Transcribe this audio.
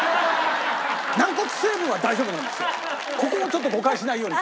僕はここをちょっと誤解しないように。